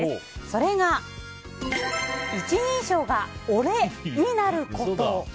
それが、一人称が俺になること。